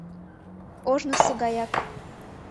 Ожнысо гаяк.